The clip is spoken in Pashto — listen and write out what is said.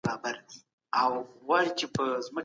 په لویه جرګه کي د دیني علماوو استازی څوک دی؟